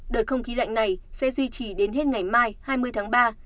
đợt không khí lạnh này sẽ duy trì đến hết ngày mai hai mươi tháng ba